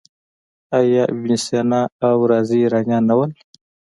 آیا ابن سینا او رازي ایرانیان نه وو؟